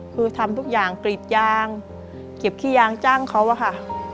คือทำทุกอย่างกรีดยางเก็บขี้ยางจ้างเขาอะค่ะ